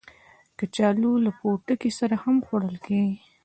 کچالو له پوټکي سره هم خوړل کېږي